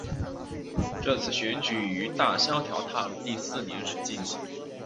这次选举于大萧条踏入第四年时进行。